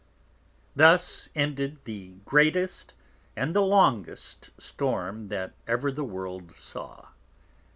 Thus ended the Greatest and the Longest Storm that ever the World saw.